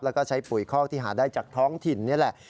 แล้วก็ใช้ปุ๋ยคอกที่หาได้จากท้องถิ่นนี่แหละ